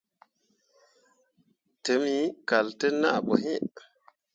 Tǝmmi kal te naa ɓoyin.